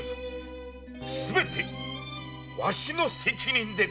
すべてわしの責任でござる！